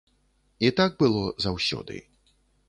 І так было заўсёды.